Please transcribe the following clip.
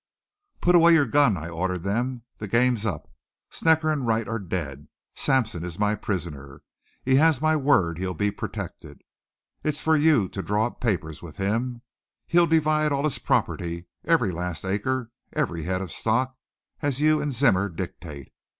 "Put away your gun," I ordered them. "The game's up. Snecker and Wright are dead. Sampson is my prisoner. He has my word he'll be protected. It's for you to draw up papers with him. He'll divide all his property, every last acre, every head of stock as you and Zimmer dictate.